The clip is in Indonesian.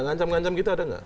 ngancam ngancam kita ada nggak